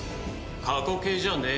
過去形じゃねぇ。